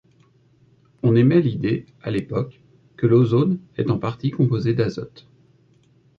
On émet l'idée, à l'époque, que l'ozone est en partie composé d'azote.